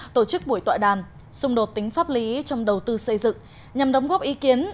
tổ chức buổi tọa đàm xung đột tính pháp lý trong đầu tư xây dựng nhằm đóng góp ý kiến